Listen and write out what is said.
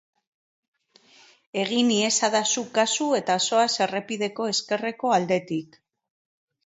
Egin iezadazu kasu eta zoaz errepideko ezkerreko aldetik.